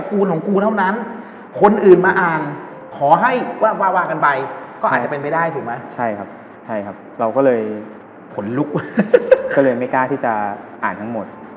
ก็เลยไม่กล้าที่จะอ่านทั้งหมด